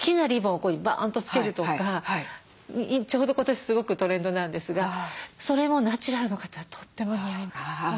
こういうふうにバーンと付けるとかちょうど今年すごくトレンドなんですがそれもナチュラルの方はとっても似合います。